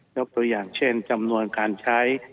ยกตัวอย่างเช่นจำนวนการใช้